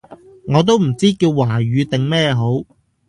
我都唔知叫華語定咩好